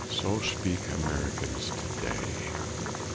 So speak Americans today!